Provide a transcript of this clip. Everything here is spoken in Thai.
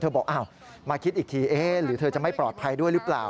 บอกอ้าวมาคิดอีกทีหรือเธอจะไม่ปลอดภัยด้วยหรือเปล่า